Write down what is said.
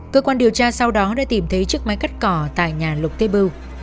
cơ quan điều tra sau đó đã tìm thấy chiếc máy cắt cỏ tại nhà lục tê bưu